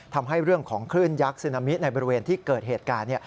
ทำให้เรื่องของคลื่นยักษ์ซึนามิในบริเวณที่เกิดเหตุการณ์